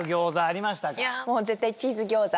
もう絶対チーズ餃子